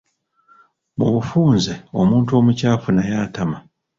Mu bufunze omuntu omucaafu naye atama.